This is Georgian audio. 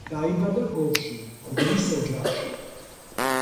დაიბადა გორში, მღვდლის ოჯახში.